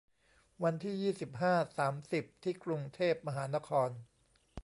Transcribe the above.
วันที่ ยี่สิบห้า สามสิบ ที่กรุงเทพมหานคร